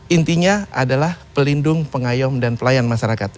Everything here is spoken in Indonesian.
intinya adalah pelindung pengayom dan pelayan masyarakat